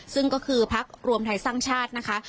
ซึ่งก็คือพักรวมไทยสร้างชาตินะคะ